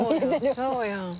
そうやん。